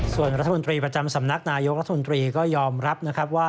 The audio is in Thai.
ส่วนรัฐมนตรีประจำสำนักนายกรัฐมนตรีก็ยอมรับนะครับว่า